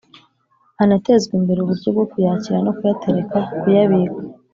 hanatezwe imbere uburyo bwo kuyakira no kuyatereka (kuyabika).